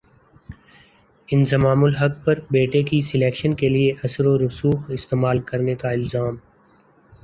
انضمام الحق پر بیٹے کی سلیکشن کیلئے اثرورسوخ استعمال کرنے کا الزام